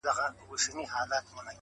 پخواني خلک سکې خوړلې.